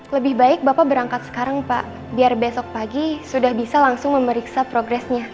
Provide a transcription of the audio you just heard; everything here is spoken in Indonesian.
lebih baik bapak berangkat sekarang pak biar besok pagi sudah bisa langsung memeriksa progresnya